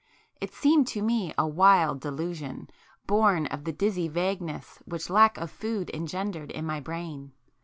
It seemed to me a wild delusion, born of the dizzy vagueness which lack of food engendered in my brain.